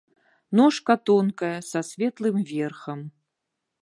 Ножка тонкая, са светлым верхам.